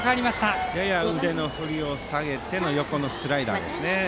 やや腕の振りを下げての横のスライダーでしたね。